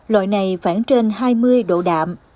loại này khoảng trên hai mươi độ đạm